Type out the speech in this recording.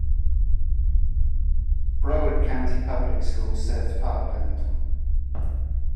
Broward County Public Schools serves Parkland.